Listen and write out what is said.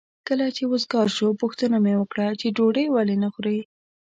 کله چې وزګار شو پوښتنه مې وکړه چې ډوډۍ ولې نه خورې؟